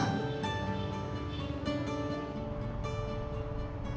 kita pulang sekitar ini